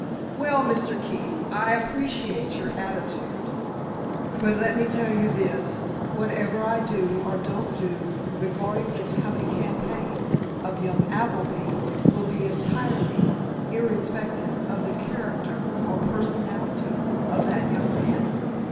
Well, Mr. Keefe, I appreciate your attitude, but let me tell you this: whatever I do or don't do regarding this coming campaign of young Appleby will be entirely irrespective of the character or personality of that young man.